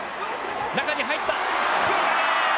中に入ったすくい投げ！